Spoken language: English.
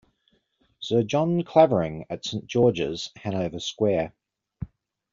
Sir John Clavering, at Saint George's, Hanover Square.